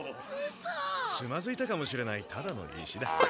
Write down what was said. つまずいたかもしれないただの石だ。